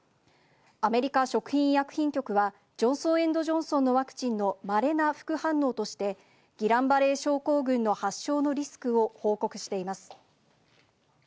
アメリカ食品医薬品局は、ジョンソン・エンド・ジョンソンのワクチンをまれな副反応として、ギラン・バレー症候群の発症のリスクを報告しています。